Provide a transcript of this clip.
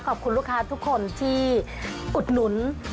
ขอบคุณลูกค้าทุกคนที่อุดหนุน